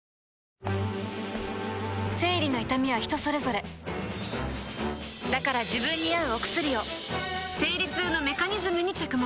生理の痛みは人それぞれだから自分に合うお薬を生理痛のメカニズムに着目